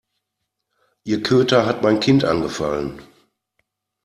Ihr Köter hat mein Kind angefallen.